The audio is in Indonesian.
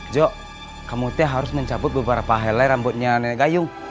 jok kamu teh harus mencabut beberapa helai rambutnya nenek gayung